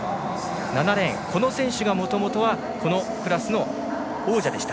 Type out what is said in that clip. ７レーン、この選手がもともとはこのクラスの王者でした。